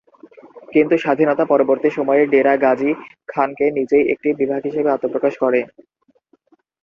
কিন্তু স্বাধীনতা পরবর্তী সময়ে, ডেরা গাজী খানকে নিজেই একটি বিভাগ হিসেবে আত্মপ্রকাশ করে।